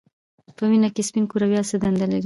په وینه کې سپین کرویات څه دنده لري